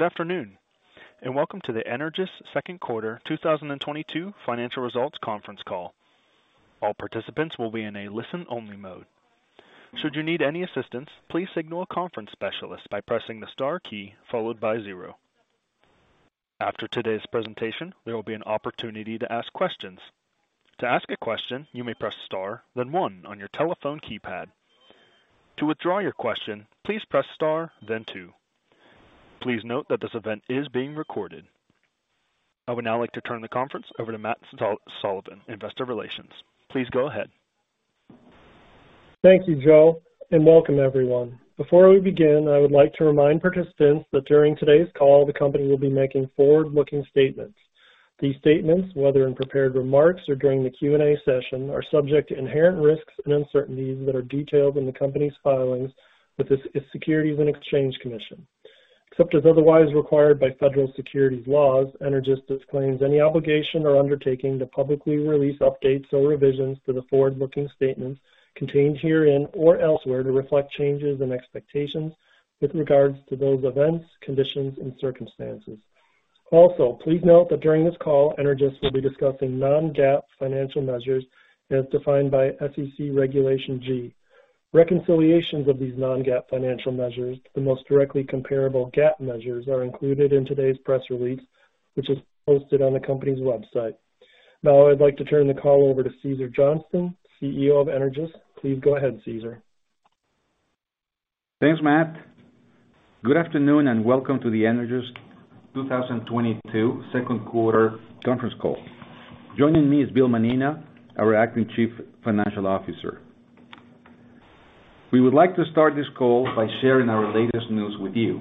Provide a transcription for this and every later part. Good afternoon, and welcome to the Energous second quarter 2022 financial results conference call. All participants will be in a listen-only mode. Should you need any assistance, please signal a conference specialist by pressing the star key followed by zero. After today's presentation, there will be an opportunity to ask questions. To ask a question, you may press star, then one on your telephone keypad. To withdraw your question, please press star then two. Please note that this event is being recorded. I would now like to turn the conference over to Matt Sullivan, Investor Relations. Please go ahead. Thank you, Joe, and welcome everyone. Before we begin, I would like to remind participants that during today's call, the company will be making forward-looking statements. These statements, whether in prepared remarks or during the Q&A session, are subject to inherent risks and uncertainties that are detailed in the company's filings with the Securities and Exchange Commission. Except as otherwise required by federal securities laws, Energous disclaims any obligation or undertaking to publicly release updates or revisions to the forward-looking statements contained herein or elsewhere to reflect changes in expectations with regards to those events, conditions, and circumstances. Also, please note that during this call, Energous will be discussing non-GAAP financial measures as defined by SEC Regulation G. Reconciliations of these non-GAAP financial measures to the most directly comparable GAAP measures are included in today's press release, which is posted on the company's website. Now I'd like to turn the call over to Cesar Johnston, CEO of Energous. Please go ahead, Cesar. Thanks, Matt. Good afternoon, and welcome to the Energous 2022 second quarter conference call. Joining me is Bill Mannina, our acting Chief Financial Officer. We would like to start this call by sharing our latest news with you.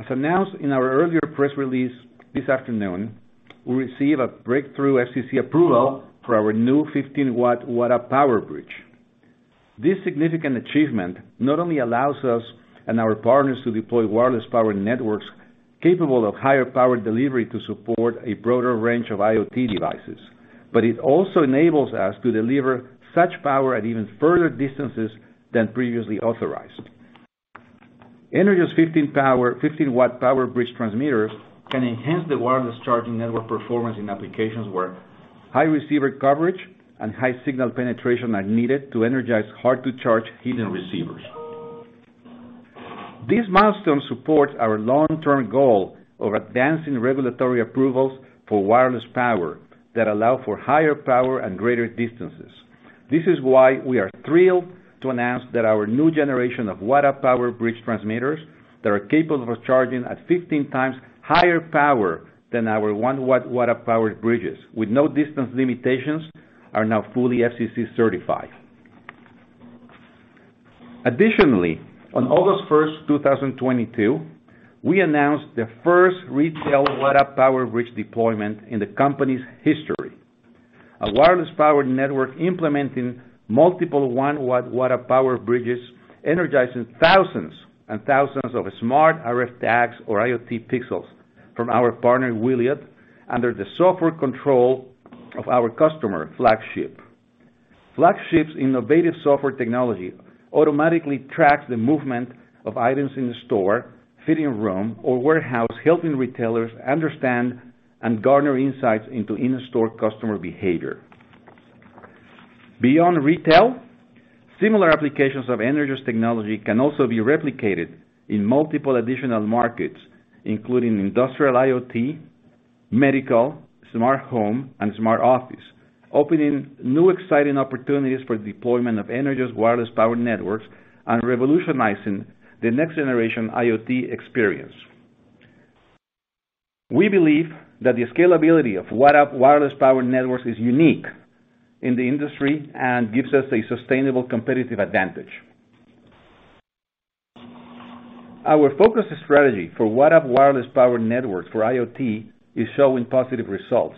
As announced in our earlier press release this afternoon, we received a breakthrough FCC approval for our new 15-watt WattUp PowerBridge. This significant achievement not only allows us and our partners to deploy wireless power networks capable of higher power delivery to support a broader range of IoT devices, but it also enables us to deliver such power at even further distances than previously authorized. Energous' 15-watt PowerBridge transmitters can enhance the wireless charging network performance in applications where high receiver coverage and high signal penetration are needed to energize hard-to-charge hidden receivers. This milestone supports our long-term goal of advancing regulatory approvals for wireless power that allow for higher power and greater distances. This is why we are thrilled to announce that our new generation of WattUp PowerBridge transmitters that are capable of charging at 15 times higher power than our 1-watt WattUp PowerBridges, with no distance limitations, are now fully FCC certified. Additionally, on August 1, 2022, we announced the first retail WattUp PowerBridge deployment in the company's history. A wireless power network implementing multiple 1-watt WattUp PowerBridges energizing thousands and thousands of smart RF tags or IoT pixels from our partner, Wiliot, under the software control of our customer, Flagship. Flagship's innovative software technology automatically tracks the movement of items in the store, fitting room, or warehouse, helping retailers understand and garner insights into in-store customer behavior. Beyond retail, similar applications of Energous technology can also be replicated in multiple additional markets, including industrial IoT, medical, smart home, and smart office, opening new exciting opportunities for deployment of Energous wireless power networks and revolutionizing the next generation IoT experience. We believe that the scalability of WattUp wireless power networks is unique in the industry and gives us a sustainable competitive advantage. Our focus strategy for WattUp wireless power networks for IoT is showing positive results.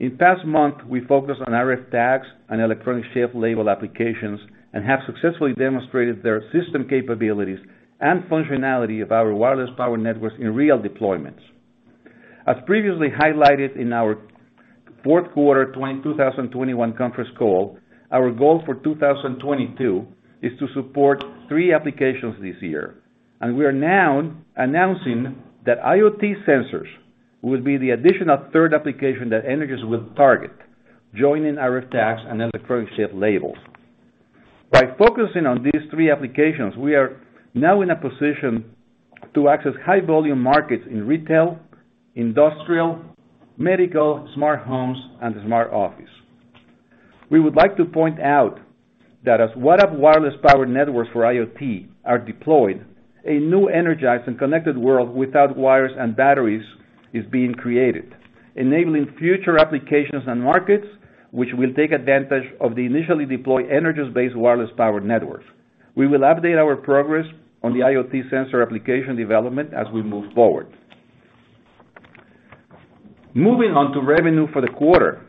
In past month, we focused on RF tags and electronic shelf label applications and have successfully demonstrated their system capabilities and functionality of our wireless power networks in real deployments. As previously highlighted in our fourth quarter 2021 conference call, our goal for 2022 is to support three applications this year, and we are now announcing that IoT sensors will be the additional third application that Energous will target, joining RF tags and electronic shelf labels. By focusing on these three applications, we are now in a position to access high volume markets in retail, industrial, medical, smart homes, and smart office. We would like to point out that as WattUp wireless power networks for IoT are deployed, a new energized and connected world without wires and batteries is being created, enabling future applications and markets which will take advantage of the initially deployed Energous-based wireless power networks. We will update our progress on the IoT sensor application development as we move forward. Moving on to revenue for the quarter.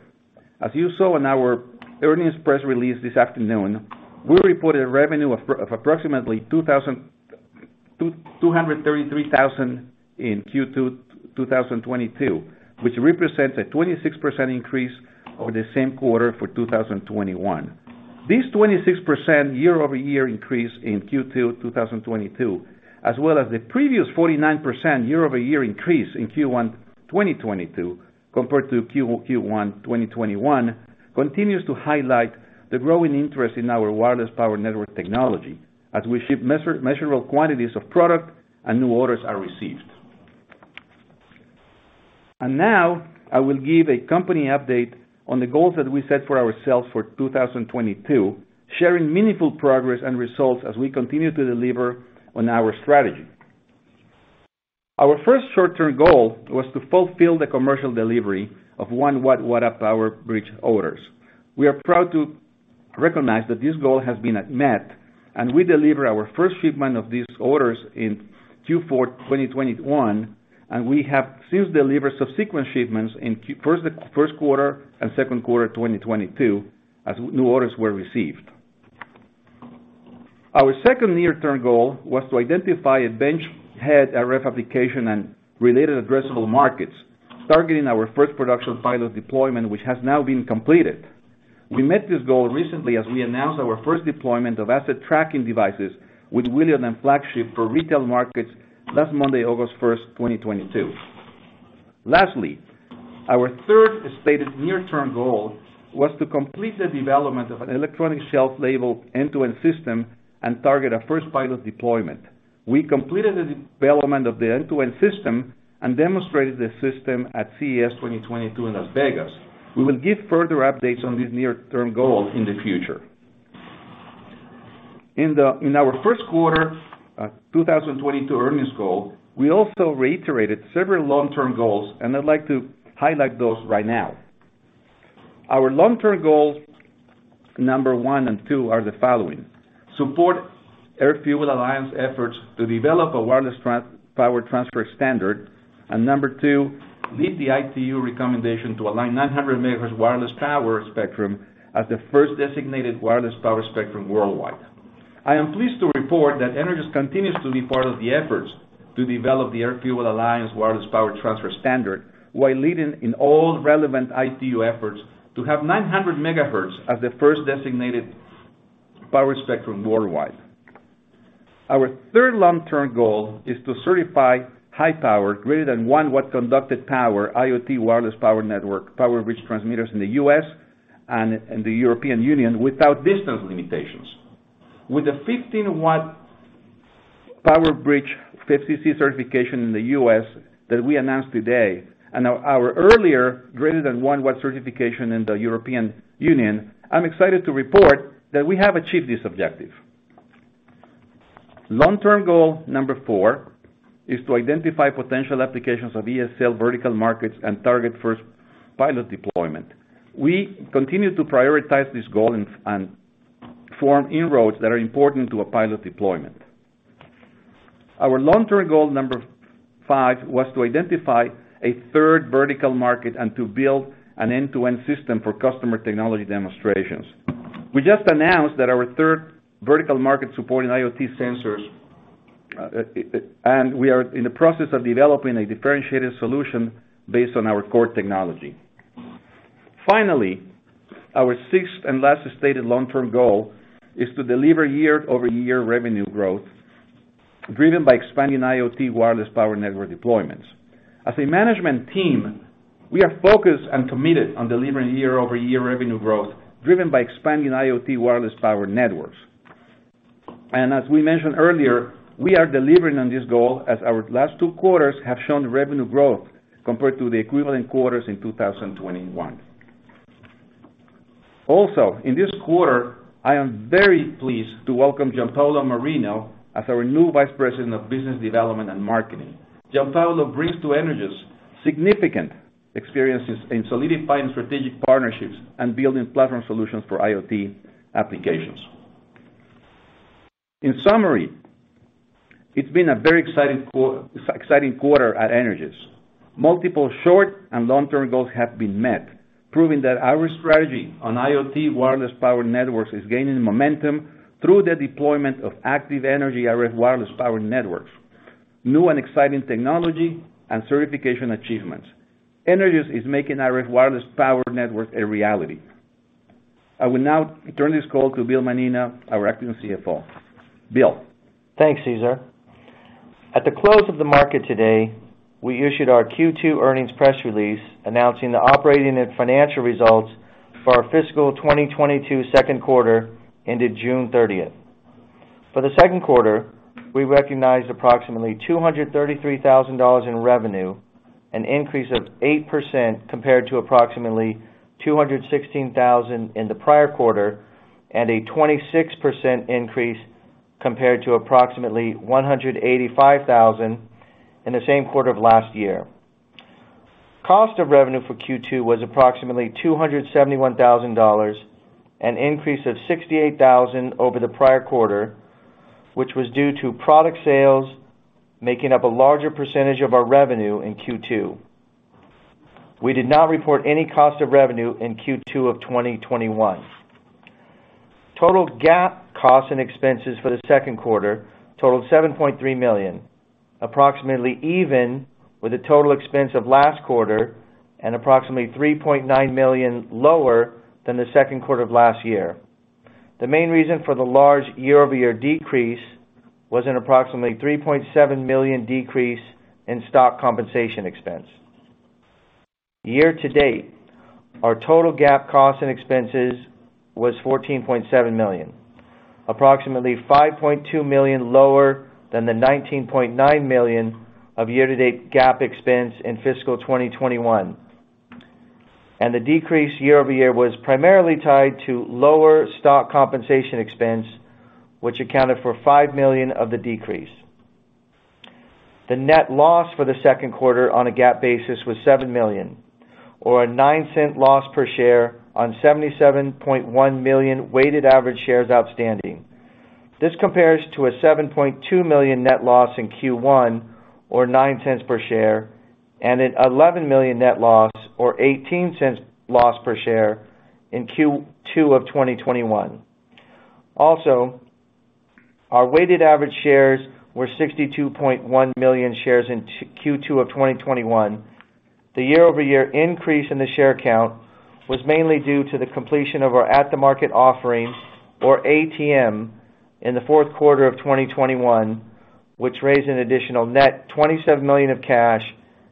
As you saw in our earnings press release this afternoon, we reported revenue of approximately $2,233,000 in Q2 2022, which represents a 26% increase over the same quarter for 2021. This 26% year-over-year increase in Q2 2022, as well as the previous 49% year-over-year increase in Q1 2022 compared to Q1 2021, continues to highlight the growing interest in our wireless power network technology as we ship measurable quantities of product and new orders are received. Now I will give a company update on the goals that we set for ourselves for 2022, sharing meaningful progress and results as we continue to deliver on our strategy. Our first short-term goal was to fulfill the commercial delivery of 1-watt WattUp PowerBridge orders. We are proud to recognize that this goal has been met, and we delivered our first shipment of these orders in Q4 2021, and we have since delivered subsequent shipments in first quarter and second quarter 2022 as new orders were received. Our second near-term goal was to identify a benchmark RF application and related addressable markets, targeting our first production pilot deployment, which has now been completed. We met this goal recently as we announced our first deployment of asset tracking devices with Wiliot and Flagship for retail markets last Monday, August 1, 2022. Lastly, our third stated near-term goal was to complete the development of an electronic shelf label end-to-end system and target a first pilot deployment. We completed the development of the end-to-end system and demonstrated the system at CES 2022 in Las Vegas. We will give further updates on these near-term goals in the future. In our first quarter 2022 earnings call, we also reiterated several long-term goals, and I'd like to highlight those right now. Our long-term goals number one and two are the following: Support AirFuel Alliance efforts to develop a wireless power transfer standard. Number 2, lead the ITU recommendation to align 900 MHz wireless power spectrum as the first designated wireless power spectrum worldwide. I am pleased to report that Energous continues to be part of the efforts to develop the AirFuel Alliance wireless power transfer standard, while leading in all relevant ITU efforts to have 900 MHz as the first designated power spectrum worldwide. Our third long-term goal is to certify high power greater than 1 watt conducted power IoT wireless power network, PowerBridge transmitters in the U.S. and in the European Union without distance limitations. With the 15-watt PowerBridge FCC certification in the U.S. that we announced today and our earlier greater than 1 watt certification in the European Union, I'm excited to report that we have achieved this objective. Long-term goal number 4 is to identify potential applications of ESL vertical markets and target first pilot deployment. We continue to prioritize this goal and form inroads that are important to a pilot deployment. Our long-term goal number 5 was to identify a third vertical market and to build an end-to-end system for customer technology demonstrations. We just announced that our third vertical market supporting IoT sensors, and we are in the process of developing a differentiated solution based on our core technology. Finally, our sixth and last stated long-term goal is to deliver year-over-year revenue growth driven by expanding IoT wireless power network deployments. As a management team, we are focused and committed on delivering year-over-year revenue growth driven by expanding IoT wireless power networks. As we mentioned earlier, we are delivering on this goal as our last two quarters have shown revenue growth compared to the equivalent quarters in 2021. Also, in this quarter, I am very pleased to welcome Giampaolo Marino as our new Vice President of Business Development and Marketing. Giampaolo brings to Energous significant experiences in solidifying strategic partnerships and building platform solutions for IoT applications. In summary, it's been a very exciting quarter at Energous. Multiple short and long-term goals have been met, proving that our strategy on IoT wireless power networks is gaining momentum through the deployment of active energy RF wireless power networks, new and exciting technology and certification achievements. Energous is making RF wireless power networks a reality. I will now turn this call to Bill Mannina, our acting CFO. Bill? Thanks, Cesar. At the close of the market today, we issued our Q2 earnings press release announcing the operating and financial results for our fiscal 2022 second quarter ended June 30. For the second quarter, we recognized approximately $233,000 in revenue, an increase of 8% compared to approximately $216,000 in the prior quarter, and a 26% increase compared to approximately $185,000 in the same quarter of last year. Cost of revenue for Q2 was approximately $271,000, an increase of $68,000 over the prior quarter, which was due to product sales making up a larger percentage of our revenue in Q2. We did not report any cost of revenue in Q2 of 2021. Total GAAP costs and expenses for the second quarter totaled $7.3 million. Approximately even with the total expense of last quarter and approximately $3.9 million lower than the second quarter of last year. The main reason for the large year-over-year decrease was an approximately $3.7 million decrease in stock compensation expense. Year-to-date, our total GAAP costs and expenses was $14.7 million, approximately $5.2 million lower than the $19.9 million of year-to-date GAAP expense in fiscal 2021. The decrease year-over-year was primarily tied to lower stock compensation expense, which accounted for $5 million of the decrease. The net loss for the second quarter on a GAAP basis was $7 million, or a $0.09 loss per share on 77.1 million weighted average shares outstanding. This compares to a $7.2 million net loss in Q1, or $0.09 per share, and an $11 million net loss or $0.18 loss per share in Q2 of 2021. Our weighted average shares were 62.1 million shares in Q2 of 2021. The year-over-year increase in the share count was mainly due to the completion of our at-the-market offering, or ATM, in the fourth quarter of 2021, which raised an additional net $27 million of cash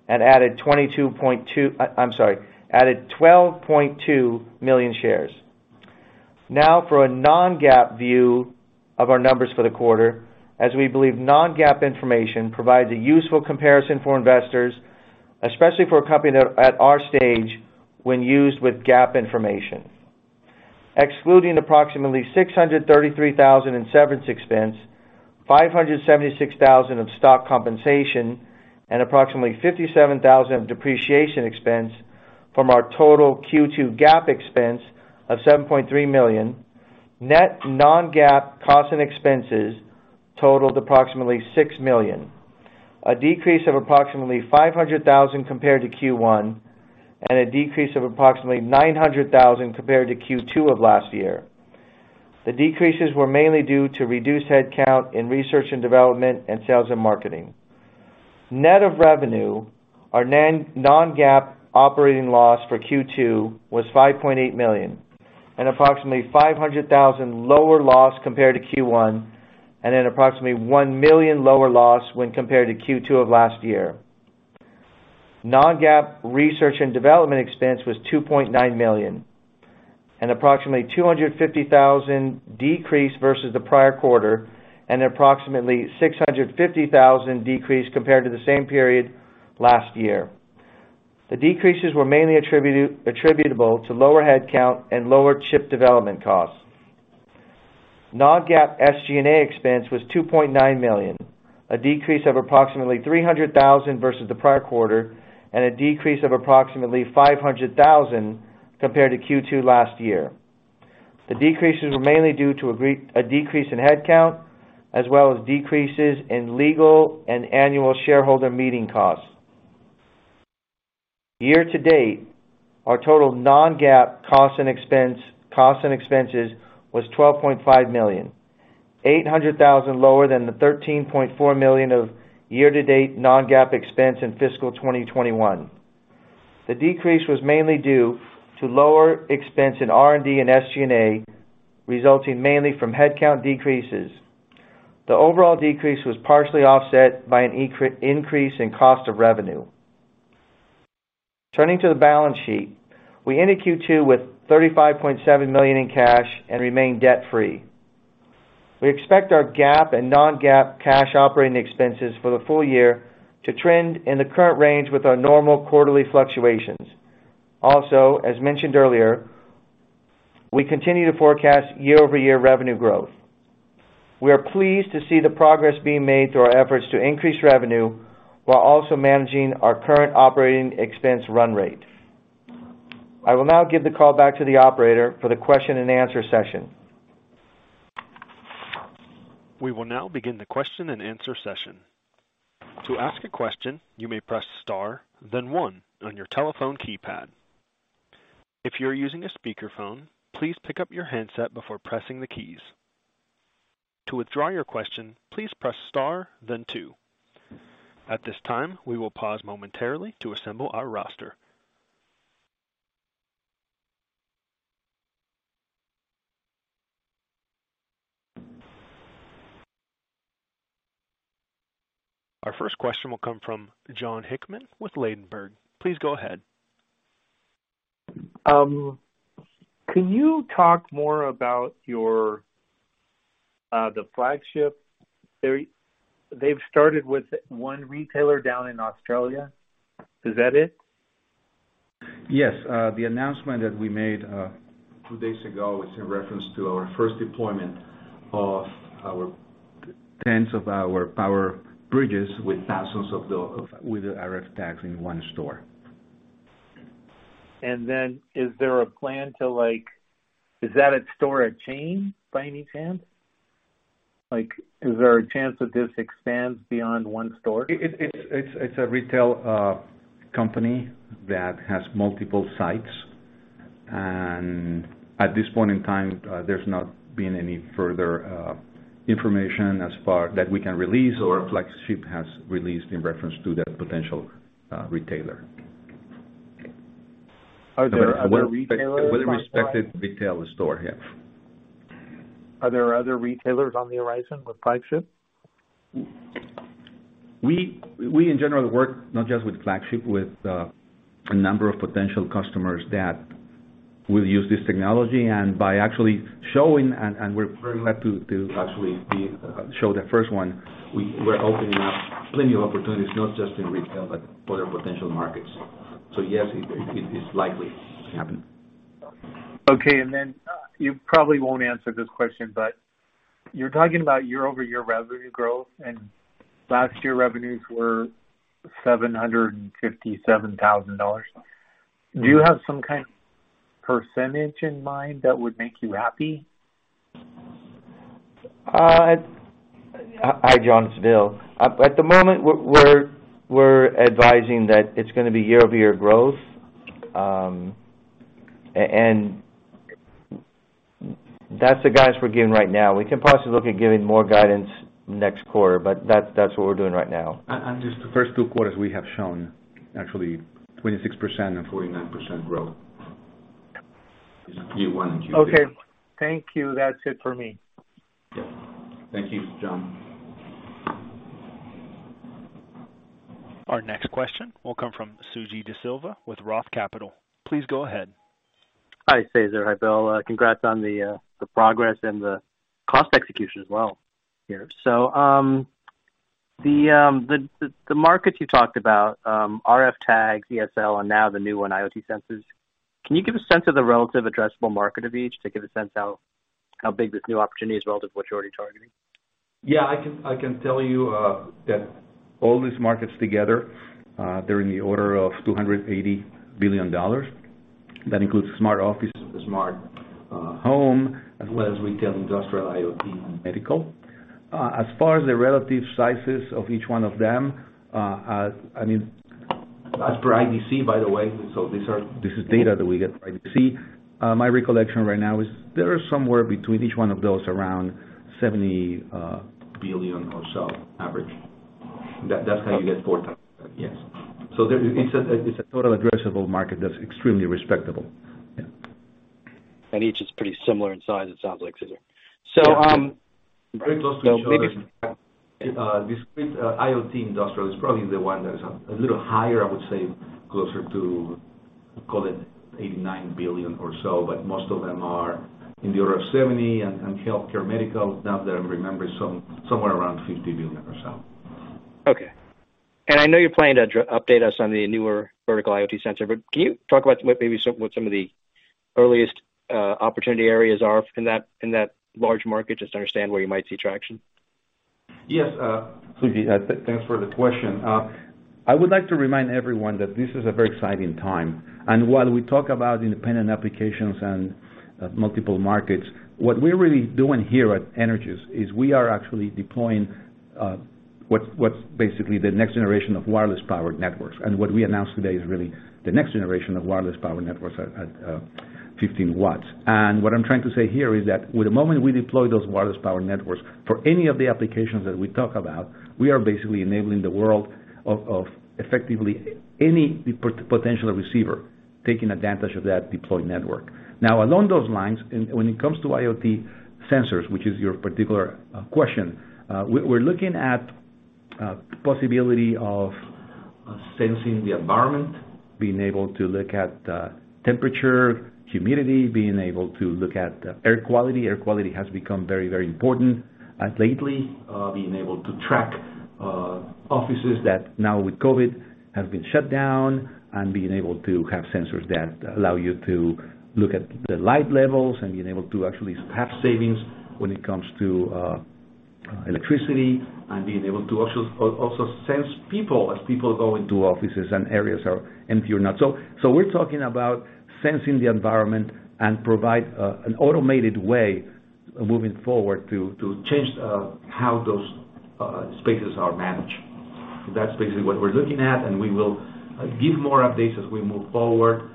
and added 12.2 million shares. Now for a non-GAAP view of our numbers for the quarter, as we believe non-GAAP information provides a useful comparison for investors, especially for a company that are at our stage when used with GAAP information. Excluding approximately $633 thousand in severance expense, $576 thousand of stock compensation, and approximately $57 thousand of depreciation expense from our total Q2 GAAP expense of $7.3 million, net non-GAAP costs and expenses totaled approximately $6 million, a decrease of approximately $500 thousand compared to Q1, and a decrease of approximately $900 thousand compared to Q2 of last year. The decreases were mainly due to reduced headcount in research and development and sales and marketing. Net of revenue, our non-GAAP operating loss for Q2 was $5.8 million, an approximately $500 thousand lower loss compared to Q1, and an approximately $1 million lower loss when compared to Q2 of last year. Non-GAAP research and development expense was $2.9 million, an approximately $250 thousand decrease versus the prior quarter, and an approximately $650 thousand decrease compared to the same period last year. The decreases were mainly attributable to lower headcount and lower chip development costs. Non-GAAP SG&A expense was $2.9 million, a decrease of approximately $300 thousand versus the prior quarter, and a decrease of approximately $500 thousand compared to Q2 last year. The decreases were mainly due to a decrease in headcount, as well as decreases in legal and annual shareholder meeting costs. Year to date, our total non-GAAP costs and expenses was $12.5 million, $800 thousand lower than the $13.4 million of year-to-date non-GAAP expense in fiscal 2021. The decrease was mainly due to lower expense in R&D and SG&A, resulting mainly from headcount decreases. The overall decrease was partially offset by an increase in cost of revenue. Turning to the balance sheet, we ended Q2 with $35.7 million in cash and remain debt-free. We expect our GAAP and non-GAAP cash operating expenses for the full year to trend in the current range with our normal quarterly fluctuations. Also, as mentioned earlier, we continue to forecast year-over-year revenue growth. We are pleased to see the progress being made through our efforts to increase revenue while also managing our current operating expense run rate. I will now give the call back to the operator for the question and answer session. We will now begin the question and answer session. To ask a question, you may press star, then one on your telephone keypad. If you're using a speakerphone, please pick up your handset before pressing the keys. To withdraw your question, please press star then two. At this time, we will pause momentarily to assemble our roster. Our first question will come from Jon Hickman with Ladenburg Thalmann. Please go ahead. Can you talk more about your, the Flagship? They've started with one retailer down in Australia. Is that it? Yes. The announcement that we made two days ago was in reference to our first deployment of tens of our PowerBridges with thousands of RF tags in one store. Is there a plan to like, is that a store, a chain by any chance? Like, is there a chance that this expands beyond one store? It's a retail company that has multiple sites. At this point in time, there's not been any further information as far as that we can release or Flagship has released in reference to that potential retailer. Are there other retailers on the horizon? A well-respected retail store, yeah. Are there other retailers on the horizon with Flagship? We in general work not just with Flagship, with a number of potential customers that will use this technology. By actually showing, and we're very glad to actually show the first one, we're opening up plenty of opportunities, not just in retail, but other potential markets. Yes, it's likely to happen. Okay. You probably won't answer this question, but you're talking about year-over-year revenue growth, and last year revenues were $757,000. Do you have some kind of percentage in mind that would make you happy? Hi, John. It's Bill. At the moment we're advising that it's gonna be year-over-year growth. And that's the guidance we're giving right now. We can possibly look at giving more guidance next quarter, but that's what we're doing right now. Just the first two quarters, we have shown actually 26% and 49% growth in Q1 and Q2. Okay. Thank you. That's it for me. Yeah. Thank you, John. Our next question will come from Sujeeva De Silva with Roth Capital. Please go ahead. Hi, Cesar. Hi, Bill. Congrats on the progress and the cost execution as well here. The markets you talked about, RF tags, ESL, and now the new one, IoT sensors, can you give a sense of the relative addressable market of each to give a sense how big this new opportunity is relative to what you're already targeting? Yeah. I can tell you that all these markets together, they're in the order of $280 billion. That includes smart office, smart home, as well as retail, industrial, IoT, and medical. As far as the relative sizes of each one of them, I mean, as per IDC, by the way, so this is data that we get from IDC. My recollection right now is they are somewhere between each one of those, around $70 billion or so average. That's how you get four times that, yes. There it's a total addressable market that's extremely respectable. Yeah. Each is pretty similar in size, it sounds like, Cesar. Very close to each other. Discrete IoT industrial is probably the one that is a little higher, I would say closer to, call it $89 billion or so, but most of them are in the order of $70 billion. Healthcare medical, now that I'm remembering, somewhere around $50 billion or so. Okay. I know you're planning to update us on the newer vertical IoT sensor, but can you talk about maybe some, what some of the earliest opportunity areas are in that, in that large market, just to understand where you might see traction? Yes, Suji, thanks for the question. I would like to remind everyone that this is a very exciting time. While we talk about independent applications and multiple markets, what we're really doing here at Energous is we are actually deploying what's basically the next generation of wireless powered networks. What we announced today is really the next generation of wireless power networks at 15 watts. What I'm trying to say here is that with the moment we deploy those wireless power networks for any of the applications that we talk about, we are basically enabling the world of effectively any potential receiver taking advantage of that deployed network. Now, along those lines and when it comes to IoT sensors, which is your particular question, we're looking at possibility of sensing the environment, being able to look at temperature, humidity, being able to look at air quality. Air quality has become very, very important lately. Being able to track offices that now with COVID have been shut down and being able to have sensors that allow you to look at the light levels and being able to actually have savings when it comes to electricity and being able to also sense people as people go into offices and areas are empty or not. So we're talking about sensing the environment and provide an automated way moving forward to change how those spaces are managed. That's basically what we're looking at, and we will give more updates as we move forward.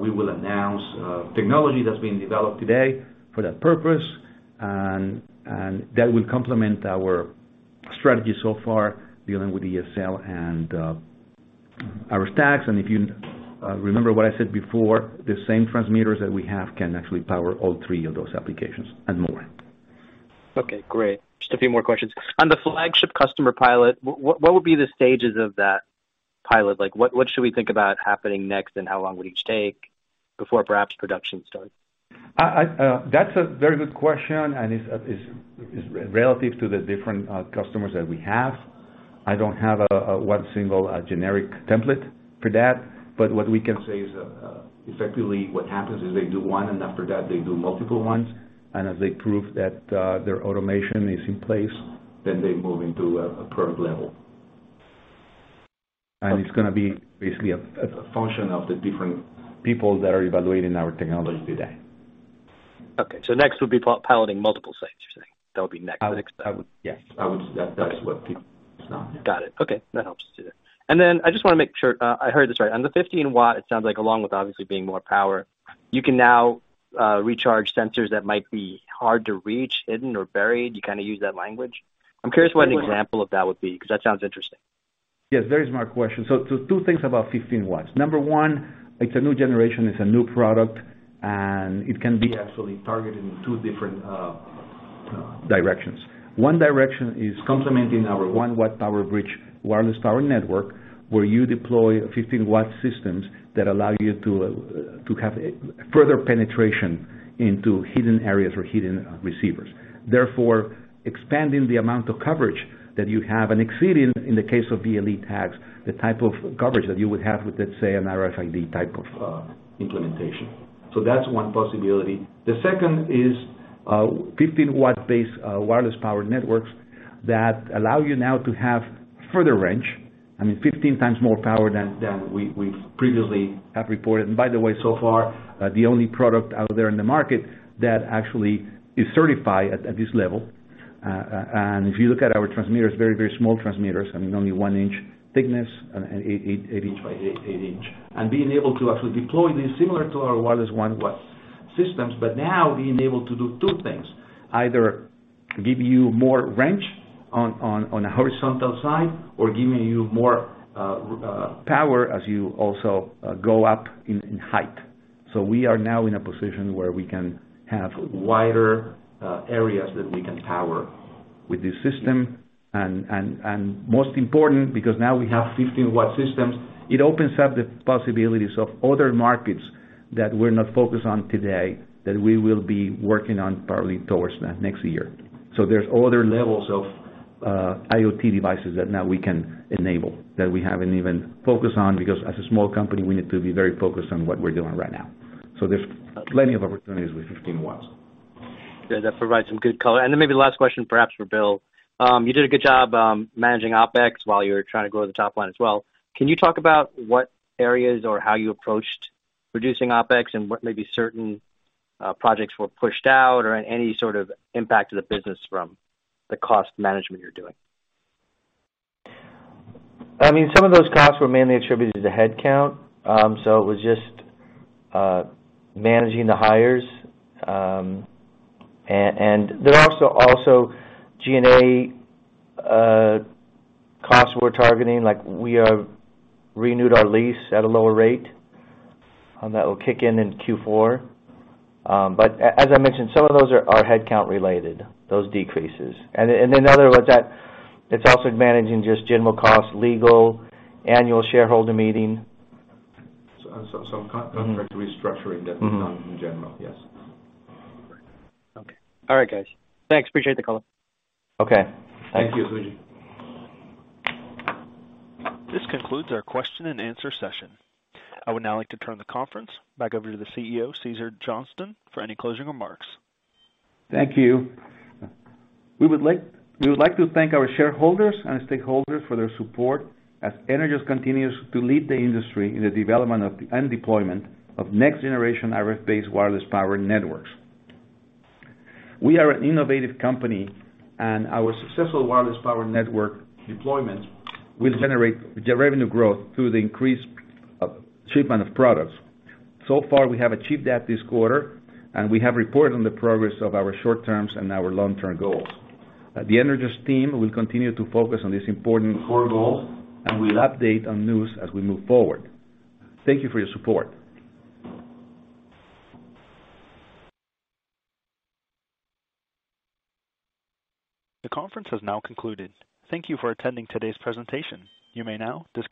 We will announce technology that's being developed today for that purpose and that will complement our strategy so far dealing with ESL and our stacks. If you remember what I said before, the same transmitters that we have can actually power all three of those applications and more. Okay, great. Just a few more questions. On the Flagship customer pilot, what would be the stages of that pilot? Like, what should we think about happening next and how long would each take before perhaps production starts? That's a very good question and is relative to the different customers that we have. I don't have one single generic template for that, but what we can say is effectively what happens is they do one and after that they do multiple ones, and as they prove that their automation is in place, then they move into a current level. It's gonna be basically a function of the different people that are evaluating our technology today. Okay, next would be piloting multiple sites, you're saying? That would be next. Yes, I would say that is what people saw, yeah. Got it. Okay. That helps too then. I just wanna make sure, I heard this right. On the 15 watt, it sounds like along with obviously being more power, you can now recharge sensors that might be hard to reach, hidden or buried. You kinda used that language. I'm curious what an example of that would be, 'cause that sounds interesting. Yes, very smart question. Two things about 15 watts. Number one, it's a new generation, it's a new product, and it can be actually targeted in two different directions. One direction is complementing our 1-watt PowerBridge Wireless Power Network, where you deploy 15-watt systems that allow you to have further penetration into hidden areas or hidden receivers. Therefore, expanding the amount of coverage that you have and exceeding, in the case of the ESL tags, the type of coverage that you would have with, let's say, an RFID type of implementation. That's one possibility. The second is 15-watt based Wireless Power Networks that allow you now to have further range, I mean, 15 times more power than we previously have reported. By the way, so far, the only product out there in the market that actually is certified at this level. If you look at our transmitters, very small transmitters, I mean, only 1-inch thickness and 8 inch by 8 inch. Being able to actually deploy these similar to our wireless 1-watt systems, but now being able to do two things. Either give you more range on a horizontal side or giving you more power as you also go up in height. We are now in a position where we can have wider areas that we can power with this system. Most important, because now we have 15-watt systems, it opens up the possibilities of other markets that we're not focused on today, that we will be working on probably towards next year. There's other levels of IoT devices that now we can enable that we haven't even focused on because as a small company, we need to be very focused on what we're doing right now. There's plenty of opportunities with 15 watts. Yeah, that provides some good color. Maybe the last question perhaps for Bill. You did a good job managing OpEx while you were trying to grow the top line as well. Can you talk about what areas or how you approached reducing OpEx and what may be certain projects were pushed out or any sort of impact to the business from the cost management you're doing? I mean, some of those costs were mainly attributed to headcount. It was just managing the hires. There are also G&A costs we're targeting, like we have renewed our lease at a lower rate that will kick in in Q4. As I mentioned, some of those are headcount related, those decreases. In other words, that it's also managing just general costs, legal, annual shareholder meeting. Contract restructuring that comes in general. Yes. Okay. All right, guys. Thanks. Appreciate the call. Okay. Thank you. Thank you. This concludes our question and answer session. I would now like to turn the conference back over to the CEO, Cesar Johnston, for any closing remarks. Thank you. We would like to thank our shareholders and stakeholders for their support as Energous continues to lead the industry in the development and deployment of next generation RF-based wireless power networks. We are an innovative company, and our successful wireless power network deployment will generate the revenue growth through the increased shipment of products. So far, we have achieved that this quarter, and we have reported on the progress of our short-term and our long-term goals. The Energous team will continue to focus on these important core goals, and we'll update on news as we move forward. Thank you for your support. The conference has now concluded. Thank you for attending today's presentation. You may now disconnect.